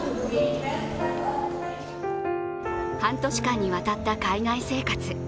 半年間にわたった海外生活。